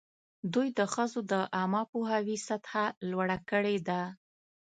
دوی د ښځو د عامه پوهاوي سطحه لوړه کړې ده.